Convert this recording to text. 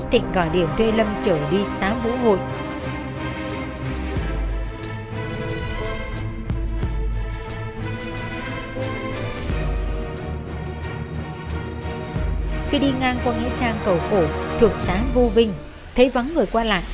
thịnh gọi điện thuê lâm trở đi xá vũ hội